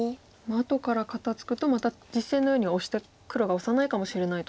後から肩ツクとまた実戦のように黒がオサないかもしれないと。